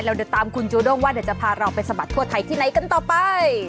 เดี๋ยวตามคุณจูด้งว่าเดี๋ยวจะพาเราไปสะบัดทั่วไทยที่ไหนกันต่อไป